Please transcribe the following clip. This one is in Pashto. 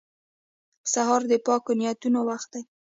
سهار د پاکو نیتونو وخت دی.